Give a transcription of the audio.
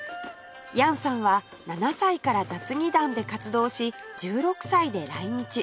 楊さんは７歳から雑技団で活動し１６歳で来日